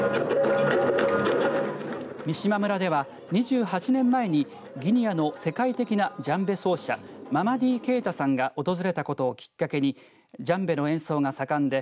三島村では、２８年前にギニアの世界的なジャンベ奏者ママディ・ケイタさんが訪れたことをきっかけにジャンベの演奏が盛んで